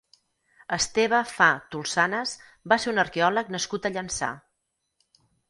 Esteve Fa Tolsanes va ser un arqueòleg nascut a Llançà.